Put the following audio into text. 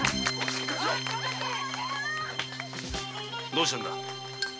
どうしたんだ？